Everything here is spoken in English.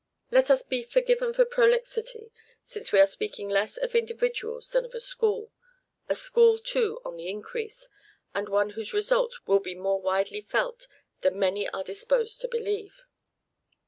Let us be forgiven for prolixity, since we are speaking less of individuals than of a school, a school, too, on the increase, and one whose results will be more widely felt than many are disposed to believe.